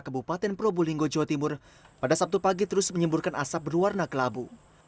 kabupaten probolinggo jawa timur pada sabtu pagi terus menyemburkan asap berwarna kelabu